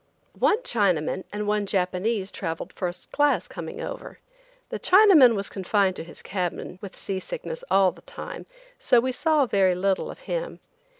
One Chinaman and one Japanese traveled first class coming over. The Chinaman was confined to his cabin with sea sickness all the time, so we saw very little of him.